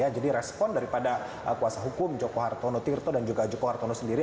jadi respon daripada kuasa hukum joko hartono tirto dan juga joko hartono sendiri